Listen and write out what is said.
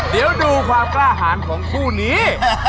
เดี๋ยวดูความกล้าหารของคู่นี้